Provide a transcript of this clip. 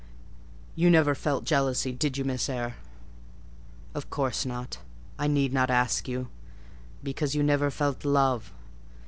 "You never felt jealousy, did you, Miss Eyre? Of course not: I need not ask you; because you never felt love.